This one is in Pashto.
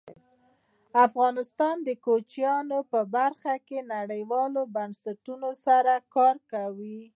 افغانستان د کوچیانو په برخه کې نړیوالو بنسټونو سره کار کوي.